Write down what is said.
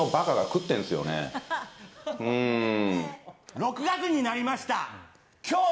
６月になりました。